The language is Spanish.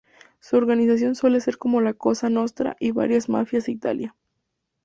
Su organización suele ser como la Cosa Nostra y varias mafias de Italia.